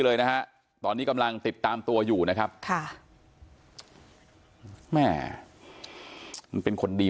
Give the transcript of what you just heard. เลยนะฮะตอนนี้กำลังติดตามตัวอยู่นะครับค่ะแม่มันเป็นคนดี